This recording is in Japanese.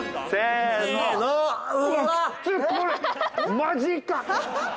マジか！